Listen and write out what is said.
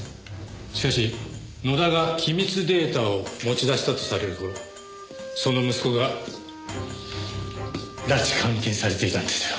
しかし野田が機密データを持ち出したとされる頃その息子が拉致監禁されていたんですよ。